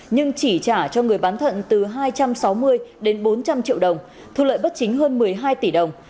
nhưng chỉ trả cho người bán thận từ hai trăm sáu mươi đến bốn trăm linh triệu đồng thu lợi bất chính hơn một mươi hai tỷ đồng